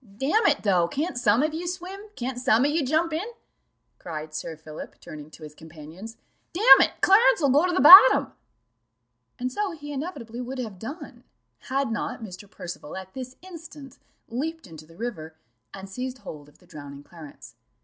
"Damn it, though, can't some of ye swim? Can't some of ye jump in?" cried Sir Philip, turning to his companions: "damn it, Clarence will go to the bottom." And so he inevitably would have done, had not Mr. Percival at this instant leaped into the river, and seized hold of the drowning Clarence.